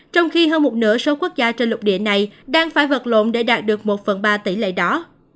trong khi hơn một nửa số quốc gia trên lục địa này đang phải vật lộn để đạt được một phần ba tỷ lệ đó